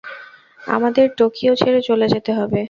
আমাদের টোকিও ছেড়ে চলে যেতে হবে।